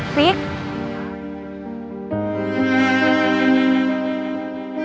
nih ga ada apa apa